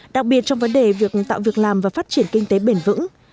đặc biệt trong vấn đề việc tạo việc làm và phát triển kinh tế bền vững